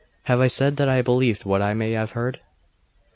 'Have I said that I believed what I may have heard?